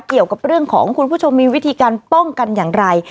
เกี่ยวกับเรื่องของคุณผู้ชมมีวิธีการป้องกันอย่างไร